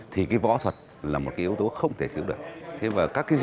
thì cái võ thuật là một cái yếu tố không thể thiếu được